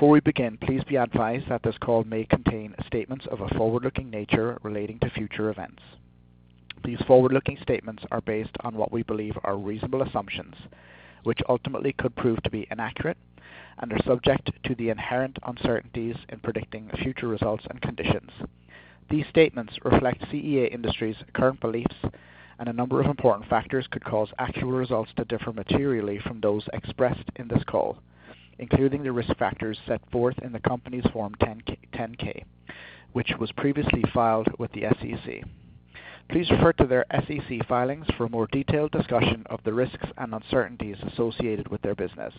Before we begin, please be advised that this call may contain statements of a forward-looking nature relating to future events. These forward-looking statements are based on what we believe are reasonable assumptions, which ultimately could prove to be inaccurate and are subject to the inherent uncertainties in predicting future results and conditions. These statements reflect CEA Industries' current beliefs, and a number of important factors could cause actual results to differ materially from those expressed in this call, including the risk factors set forth in the company's Form 10-K, 10-K, which was previously filed with the SEC. Please refer to their SEC filings for a more detailed discussion of the risks and uncertainties associated with their business.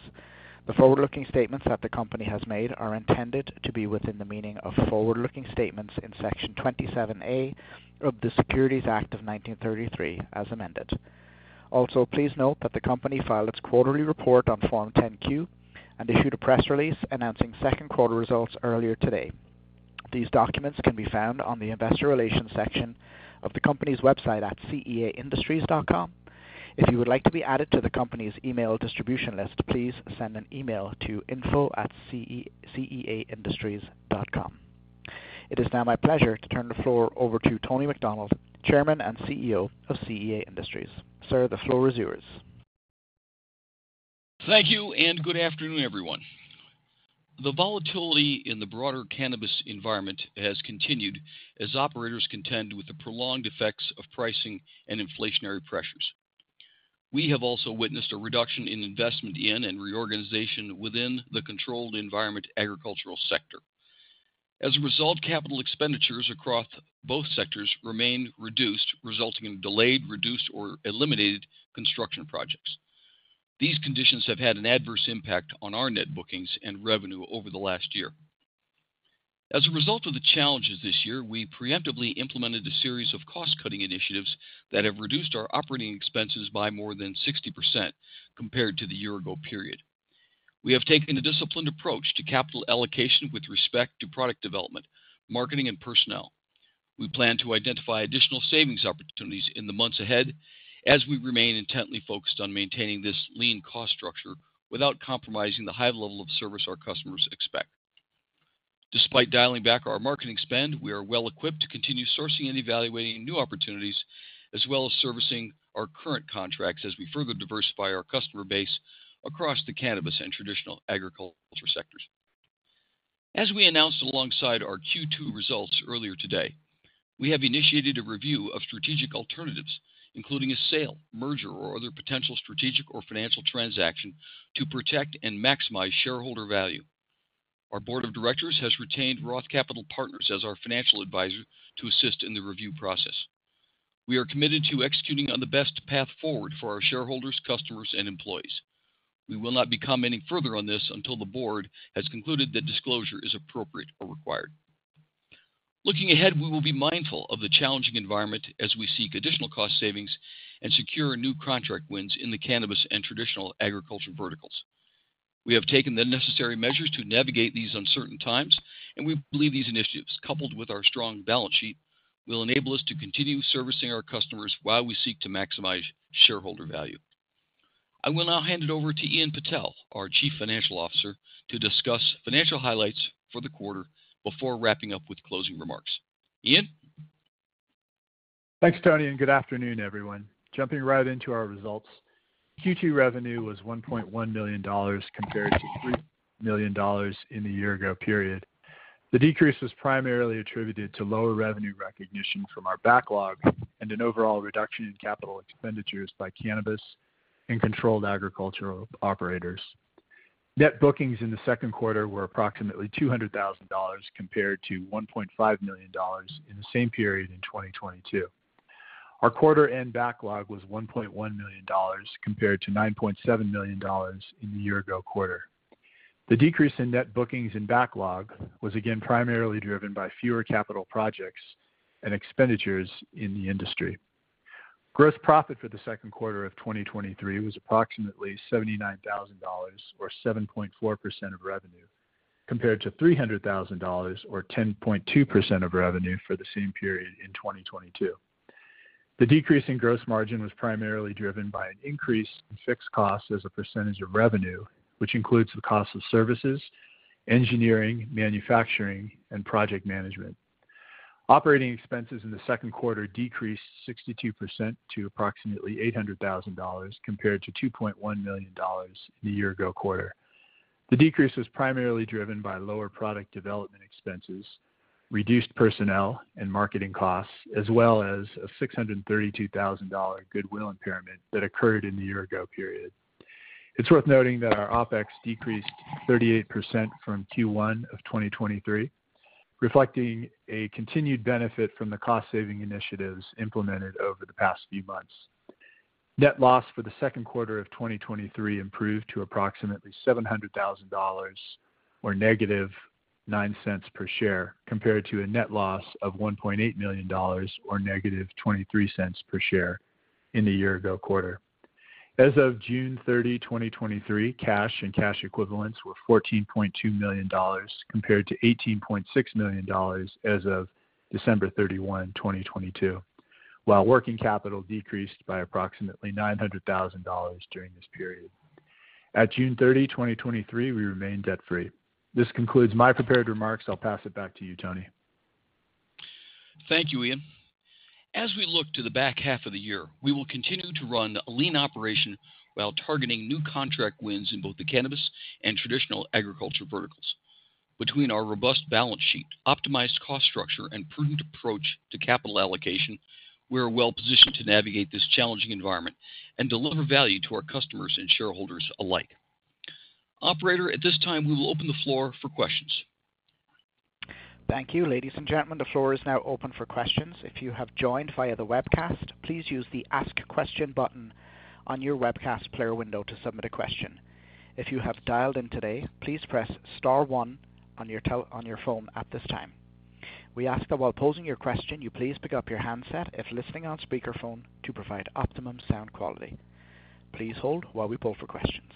The forward-looking statements that the company has made are intended to be within the meaning of forward-looking statements in Section 27A of the Securities Act of 1933, as amended. Please note that the company filed its quarterly report on Form 10-Q and issued a press release announcing second quarter results earlier today. These documents can be found on the Investor Relations section of the company's website at ceaindustries.com. If you would like to be added to the company's email distribution list, please send an email to info@ceaindustries.com. It is now my pleasure to turn the floor over to Tony McDonald, Chairman and CEO of CEA Industries. Sir, the floor is yours. Thank you and good afternoon, everyone. The volatility in the broader cannabis environment has continued as operators contend with the prolonged effects of pricing and inflationary pressures. We have also witnessed a reduction in investment in and reorganization within the controlled environment agricultural sector. As a result, capital expenditures across both sectors remained reduced, resulting in delayed, reduced, or eliminated construction projects. These conditions have had an adverse impact on our net bookings and revenue over the last year. As a result of the challenges this year, we preemptively implemented a series of cost-cutting initiatives that have reduced our operating expenses by more than 60% compared to the year-ago period. We have taken a disciplined approach to capital allocation with respect to product development, marketing, and personnel. We plan to identify additional savings opportunities in the months ahead as we remain intently focused on maintaining this lean cost structure without compromising the high level of service our customers expect. Despite dialing back our marketing spend, we are well equipped to continue sourcing and evaluating new opportunities, as well as servicing our current contracts as we further diversify our customer base across the cannabis and traditional agriculture sectors. As we announced alongside our Q2 results earlier today, we have initiated a review of strategic alternatives, including a sale, merger, or other potential strategic or financial transaction, to protect and maximize shareholder value. Our board of directors has retained Roth Capital Partners as our financial advisor to assist in the review process. We are committed to executing on the best path forward for our shareholders, customers, and employees. We will not be commenting further on this until the board has concluded that disclosure is appropriate or required. Looking ahead, we will be mindful of the challenging environment as we seek additional cost savings and secure new contract wins in the cannabis and traditional agriculture verticals. We have taken the necessary measures to navigate these uncertain times, and we believe these initiatives, coupled with our strong balance sheet, will enable us to continue servicing our customers while we seek to maximize shareholder value. I will now hand it over to Ian Patel, our Chief Financial Officer, to discuss financial highlights for the quarter before wrapping up with closing remarks. Ian? Thanks, Tony, and good afternoon, everyone. Jumping right into our results. Q2 revenue was $1.1 million compared to $3 million in the year ago period. The decrease was primarily attributed to lower revenue recognition from our backlog and an overall reduction in CapEx by cannabis and controlled agricultural operators. Net bookings in the second quarter were approximately $200,000, compared to $1.5 million in the same period in 2022. Our quarter end backlog was $1.1 million, compared to $9.7 million in the year ago quarter. The decrease in net bookings and backlog was again primarily driven by fewer capital projects and CapEx in the industry. Gross profit for the second quarter of 2023 was approximately $79,000, or 7.4% of revenue, compared to $300,000, or 10.2% of revenue for the same period in 2022. The decrease in gross margin was primarily driven by an increase in fixed costs as a percentage of revenue, which includes the cost of services, engineering, manufacturing, and project management. Operating expenses in the second quarter decreased 62% to approximately $800,000, compared to $2.1 million in the year ago quarter. The decrease was primarily driven by lower product development expenses, reduced personnel and marketing costs, as well as a $632,000 goodwill impairment that occurred in the year ago period. It's worth noting that our OpEx decreased 38% from Q1 of 2023, reflecting a continued benefit from the cost-saving initiatives implemented over the past few months. Net loss for the second quarter of 2023 improved to approximately $700,000, or negative $0.09 per share, compared to a net loss of $1.8 million, or negative $0.23 per share in the year ago quarter. As of June 30, 2023, cash and cash equivalents were $14.2 million, compared to $18.6 million as of December 31, 2022, while working capital decreased by approximately $900,000 during this period. At June 30, 2023, we remained debt-free. This concludes my prepared remarks. I'll pass it back to you, Tony. Thank you, Ian. As we look to the back half of the year, we will continue to run a lean operation while targeting new contract wins in both the cannabis and traditional agriculture verticals. Between our robust balance sheet, optimized cost structure, and prudent approach to capital allocation, we are well positioned to navigate this challenging environment and deliver value to our customers and shareholders alike. Operator, at this time, we will open the floor for questions. Thank you. Ladies and gentlemen, the floor is now open for questions. If you have joined via the webcast, please use the Ask Question button on your webcast player window to submit a question. If you have dialed in today, please press star one on your phone at this time. We ask that while posing your question, you please pick up your handset if listening on speakerphone to provide optimum sound quality. Please hold while we poll for questions.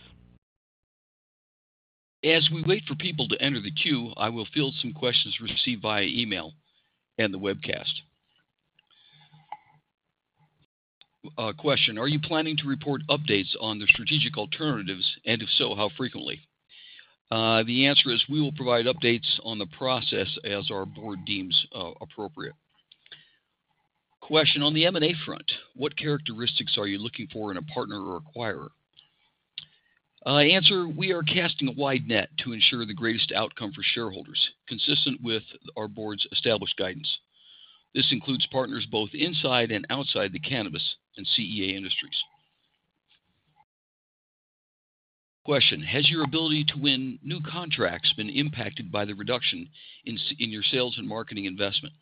As we wait for people to enter the queue, I will field some questions received via email and the webcast. Question: Are you planning to report updates on the strategic alternatives, and if so, how frequently? The answer is we will provide updates on the process as our board deems appropriate. Question: On the M&A front, what characteristics are you looking for in a partner or acquirer? Answer: We are casting a wide net to ensure the greatest outcome for shareholders, consistent with our board's established guidance. This includes partners both inside and outside the cannabis and CEA Industries. Question: Has your ability to win new contracts been impacted by the reduction in in your sales and marketing investment?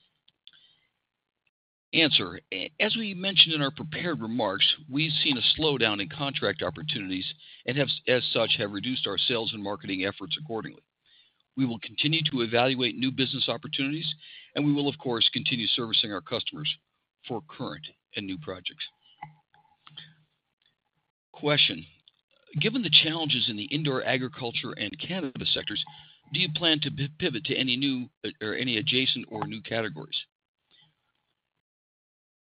As we mentioned in our prepared remarks, we've seen a slowdown in contract opportunities and have, as such, have reduced our sales and marketing efforts accordingly. We will continue to evaluate new business opportunities, and we will, of course, continue servicing our customers for current and new projects. Given the challenges in the indoor agriculture and cannabis sectors, do you plan to pivot to any new or any adjacent or new categories?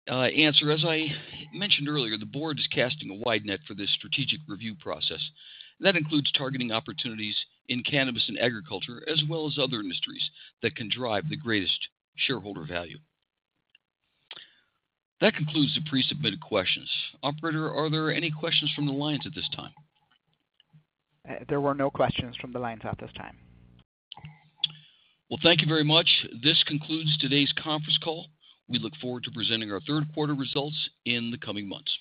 As I mentioned earlier, the board is casting a wide net for this strategic review process. That includes targeting opportunities in cannabis and agriculture, as well as other industries that can drive the greatest shareholder value. That concludes the pre-submitted questions. Operator, are there any questions from the lines at this time? There were no questions from the lines at this time. Well, thank you very much. This concludes today's conference call. We look forward to presenting our third quarter results in the coming months.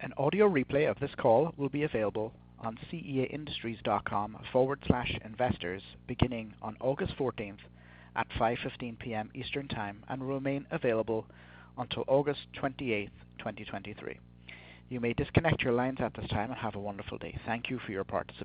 An audio replay of this call will be available on ceaindustries.com/investors beginning on August 14th at 5:00 P.M. Eastern Time and will remain available until August 28th, 2023. You may disconnect your lines at this time, and have a wonderful day. Thank you for your participation.